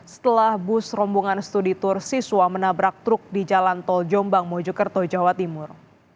setelah bus rombongan studi tur siswa menabrak truk di jalan tol jombang mojokerto jawa timur